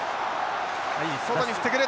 外に振ってくる。